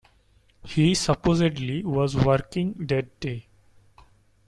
He supposedly was working that day.